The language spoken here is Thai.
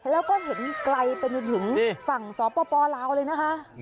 แล้วก็เห็นไกลไปจนถึงฝั่งสปลาวเลยนะคะ